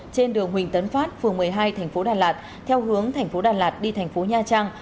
trên đường huỳnh tấn phát phường một mươi hai tp đà lạt theo hướng tp đà lạt đi tp nha trang